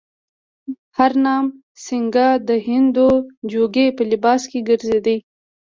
هرنام سینګه د هندو جوګي په لباس کې ګرځېدی.